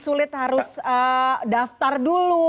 sulit harus daftar dulu